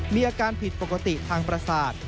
มีอาการผิดปกติทางประสาท